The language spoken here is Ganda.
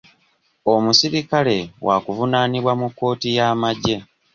Omusirikale waakuvunaanibwa mu kkooti y'amagye.